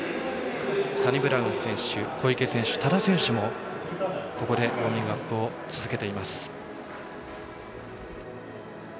サニブラウン選手、小池選手多田選手も、ここでウォーミングアップを続けています。